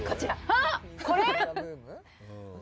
あっこれ！？